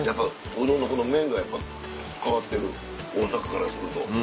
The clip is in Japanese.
うどんのこの麺がやっぱ変わってる大阪からすると。